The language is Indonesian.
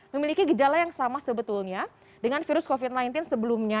memiliki gejala yang sama sebetulnya dengan virus covid sembilan belas sebelumnya